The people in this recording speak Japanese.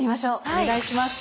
お願いします。